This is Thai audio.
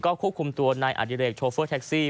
ควบคุมตัวนายอดิเรกโชเฟอร์แท็กซี่